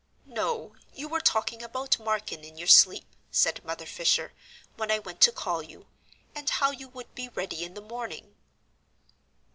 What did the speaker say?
"No, you were talking about Marken in your sleep," said Mother Fisher, "when I went to call you, and how you would be ready in the morning."